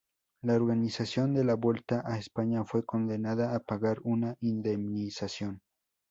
La organización de la Vuelta a España fue condenada a pagar una indemnización.